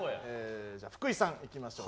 じゃあ福井さんいきましょう。